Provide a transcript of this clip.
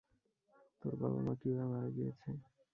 তোর বাবা-মা কীভাবে মারা গিয়েছে?